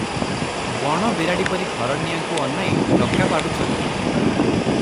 ବଣ ବିରାଡ଼ି ପରି ଘରନିଆଁକୁ ଅନାଇ ଡକା ପାଡୁଛନ୍ତି ।